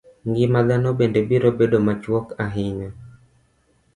Ngima dhano bende biro bedo machuok ahinya.